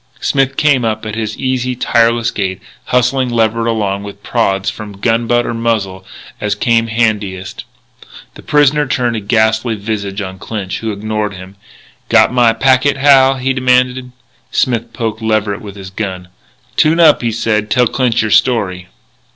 Smith came up at his easy, tireless gait, hustling Leverett along with prods from gun butt or muzzle, as came handiest. The prisoner turned a ghastly visage on Clinch, who ignored him. "Got my packet, Hal?" he demanded. Smith poked Leverett with his rifle: "Tune up," he said; "tell Clinch your story."